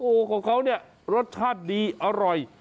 โอ้โหของเขาเนี่ยรสชาติดีอร่อย